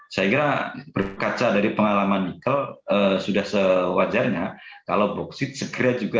saya kira berkaca dari pengalaman nikel sudah sewajarnya kalau bauksit segera juga harus beroperasi